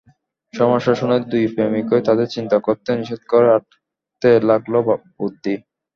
সমস্যা শুনে দুই প্রেমিকই তাদের চিন্তা করতে নিষেধ করে আঁটতে লাগল বুদ্ধি।